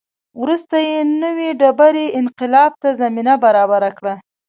وروسته یې نوې ډبرې انقلاب ته زمینه برابره کړه.